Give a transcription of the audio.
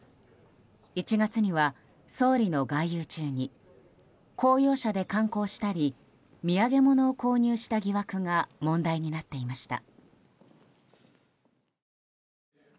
１月には、総理の外遊中に公用車で観光したり土産物を購入した疑惑が問題になっていました。